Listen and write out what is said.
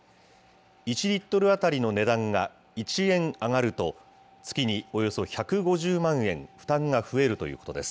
１リットル当たりの値段が１円上がると、月におよそ１５０万円、負担が増えるということです。